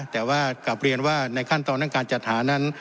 แต่ว่ากลับเรียนว่าในขั้นตอนด้านการจัดหานั้น